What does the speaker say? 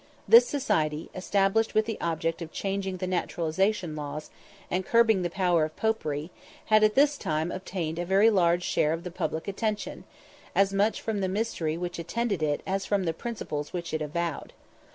This society, established with the object of changing the naturalisation laws, and curbing the power of popery, had at this period obtained a very large share of the public attention, as much from the mystery which attended it as from the principles which it avowed.